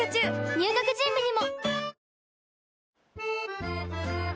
入学準備にも！